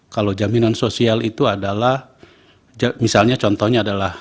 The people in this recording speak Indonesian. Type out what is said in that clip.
kalau jaminan sosial itu adalah misalnya contohnya adalah